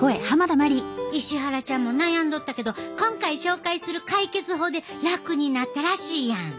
石原ちゃんも悩んどったけど今回紹介する解決法で楽になったらしいやん。